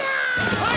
はい！